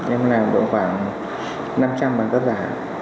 em làm được khoảng năm trăm linh bằng cấp giả